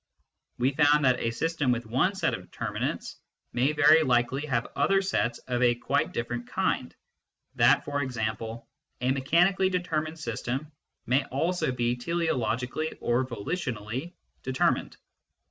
We found that a system with one set of determinants may very likely have other sets of a quite different kind, that, for example, a mechanically determined system may also be teleologically or volitionally determined.